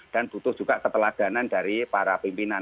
dan butuh juga keteladanan dari para pimpinan